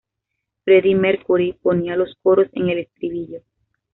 Freddie Mercury ponía los coros en el estribillo.